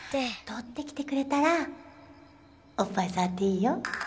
取ってきてくれたらおっぱい触っていいよ。